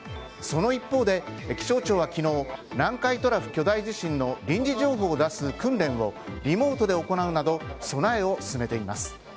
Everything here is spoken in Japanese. その一方で気象庁は昨日南海トラフ巨大地震の臨時情報を出す訓練をリモートで行うなど備えを進めています。